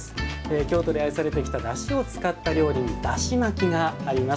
京都で愛されてきただしを使った料理にだし巻きがあります。